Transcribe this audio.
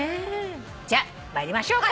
じゃあ参りましょうか。